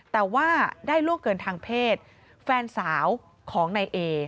แต่ว่าได้ล่วงเกินทางเพศแฟนสาวของนายเอ